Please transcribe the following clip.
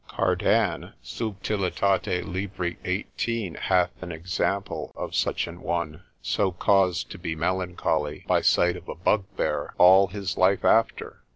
Cardan, subtil. lib. 18, hath an example of such an one, so caused to be melancholy (by sight of a bugbear) all his life after.